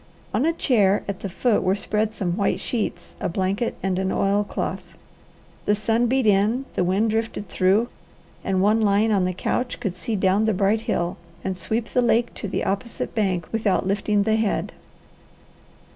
On a chair at the foot were spread some white sheets, a blanket, and an oilcloth. The sun beat in, the wind drifted through, and one lying on the couch could see down the bright hill, and sweep the lake to the opposite bank without lifting the head.